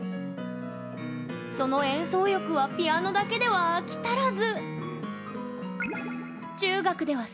その演奏欲はピアノだけでは飽き足らず。